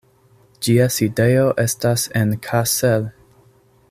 Ĝia sidejo estas en Kassel.